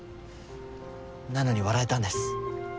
なのに笑えたんです。